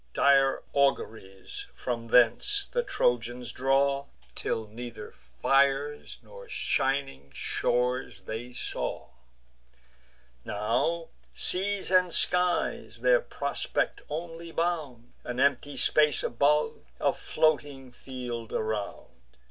Dire auguries from hence the Trojans draw; Till neither fires nor shining shores they saw. Now seas and skies their prospect only bound; An empty space above, a floating field around.